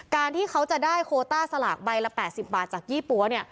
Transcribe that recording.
การที่เขาจะได้โคต้าสลากใบละ๘๐บาทจากยี่ปั๊ว